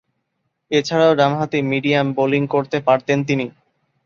এছাড়াও ডানহাতে medium bowling করতে পারতেন তিনি।